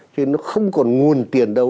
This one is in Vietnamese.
cho nên nó không còn nguồn tiền đâu